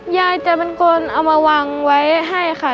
ยายจะเป็นคนเอามาวางไว้ให้ค่ะ